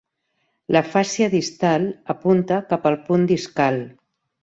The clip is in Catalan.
La fàscia distal apunta cap al punt discal.